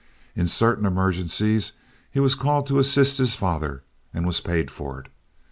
In certain emergencies he was called to assist his father, and was paid for it.